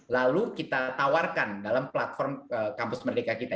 lalu kita tawarkan dalam platform kampus merdeka kita